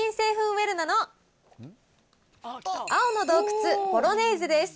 ウェルナの青の洞窟ボロネーゼです。